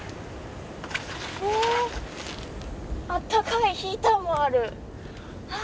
あったかい、ヒーターもある。